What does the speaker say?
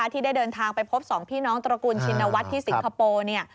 ที่ได้เดินทางไปพบสองพี่น้องตระกูลชินวัฒน์ที่สิงคโปร์